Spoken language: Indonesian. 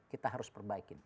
kita harus perbaikin